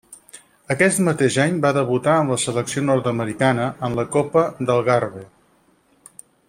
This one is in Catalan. Aquest mateix any va debutar amb la selecció nord-americana, en la Copa d'Algarve.